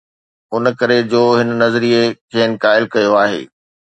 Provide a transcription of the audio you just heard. ان ڪري جو هن نظريي کين قائل ڪيو آهي.